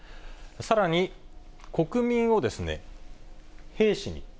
さらに、国民を兵士に？